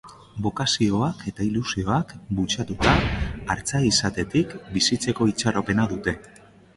Bokazioak eta ilusioak bultzatuta, artzai izatetik bizitzeko itxaropena dute.